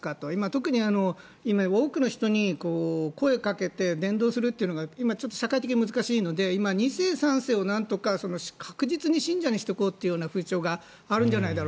特に今、多くの人に声をかけて伝道するというのが今、社会的に難しいので今、２世、３世を確実に信者にしておこうという風潮があるんじゃないか。